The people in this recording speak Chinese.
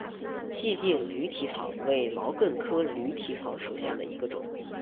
细茎驴蹄草为毛茛科驴蹄草属下的一个种。